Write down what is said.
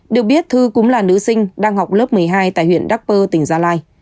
được biết thư cũng là nữ sinh đang học lớp một mươi hai tại huyện đắk bơ tỉnh gia lai